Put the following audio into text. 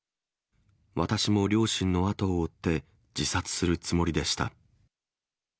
私も両親の後を追って、自殺するつもりでした。